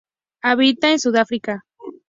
Habita en Sudáfrica.